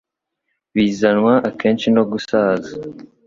bizanwa akenshi no gusaza.